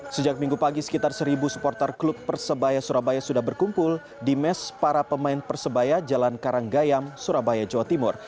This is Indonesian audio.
sejak minggu pagi sekitar seribu supporter klub persebaya surabaya sudah berkumpul di mes para pemain persebaya jalan karanggayam surabaya jawa timur